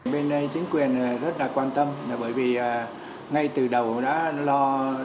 bên đây chính quyền rất quan tâm bởi vì ngay từ đầu nó lo